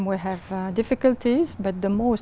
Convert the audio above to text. phải được kết thúc